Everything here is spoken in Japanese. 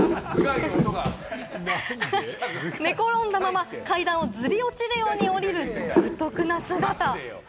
寝転んだまま階段をずり落ちるようにおりる独特な姿。